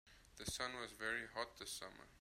The sun was very hot this summer.